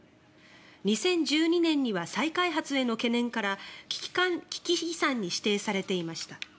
２０１２年には再開発への懸念から危機遺産に指定されていました。